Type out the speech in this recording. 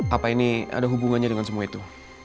apa ini ada hubungannya dengan semua itu